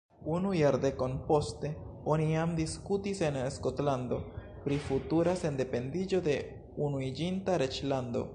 Unu jardekon poste, oni jam diskutis en Skotlando pri futura sendependiĝo de Unuiĝinta Reĝlando.